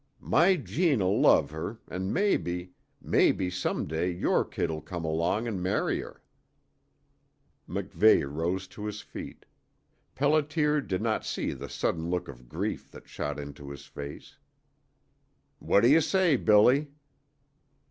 My Jeanne 'll love her, an' mebbe mebbe some day your kid 'll come along an' marry her " MacVeigh rose to his feet. Pelliter did not see the sudden look of grief that shot into his face. "What do you say, Billy?"